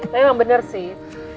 tapi yang bener sih